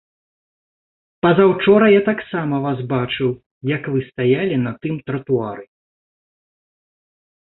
Пазаўчора я таксама вас бачыў, як вы стаялі на тым тратуары.